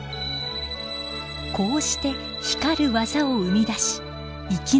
こうして光る技を生み出し生き残ってきたのです。